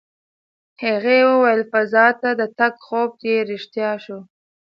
هغې وویل فضا ته د تګ خوب یې رښتیا شو.